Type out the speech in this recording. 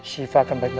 jangan panik ya